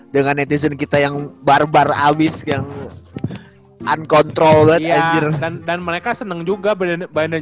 dengan netizen kita yang barbar abis yang uncontrolled dan mereka seneng juga bener bener